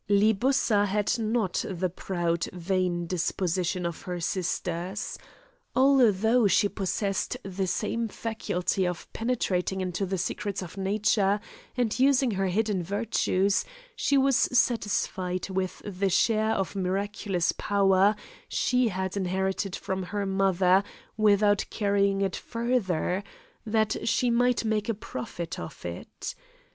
Libussa had not the proud vain disposition of her sisters. Although she possessed the same faculty of penetrating into the secrets of nature and using her hidden virtues, she was satisfied with the share of miraculous power she had inherited from her mother without carrying it further, that she might make a profit of it.